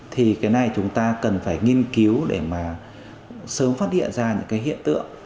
thì cái này chúng ta cần phải nghiên cứu để mà sớm phát hiện ra những cái hiện tượng